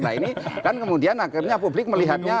nah ini kan kemudian akhirnya publik melihatnya